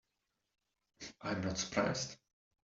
I am not surprised.